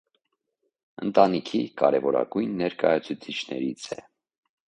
Ընտանիքի կարևորագույն ներկայացուցիչներից է։